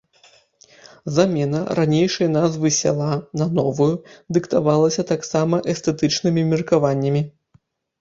Замена ранейшай назвы сяла на новую дыктавалася таксама эстэтычнымі меркаваннямі.